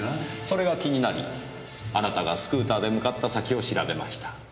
それが気になりあなたがスクーターで向かった先を調べました。